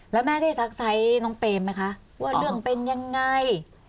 แล้วแม่ได้ซักไซส์น้องเปรมไหมคะว่าเรื่องเป็นยังไง